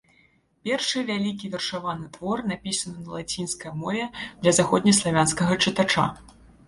Першы вялікі вершаваны твор, напісаны на лацінскай мове для заходнеславянскага чытача.